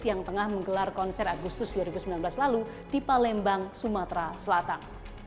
yang tengah menggelar konser agustus dua ribu sembilan belas lalu di palembang sumatera selatan